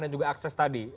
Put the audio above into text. dan juga akses tadi